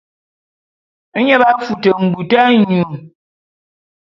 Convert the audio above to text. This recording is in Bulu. Nye b'afute mbut anyu.